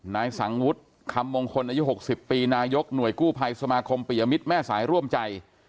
นายสังวุฒิคำมงคลอายุ๖๐ปีนายกหน่วยกู้ภัยสมาคมปิยมิตรแม่สายร่วมใจ